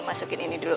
masukin ini dulu